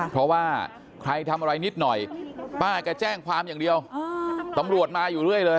เพราะว่าใครทำอะไรนิดหน่อยป้าแกแจ้งความอย่างเดียวตำรวจมาอยู่เรื่อยเลย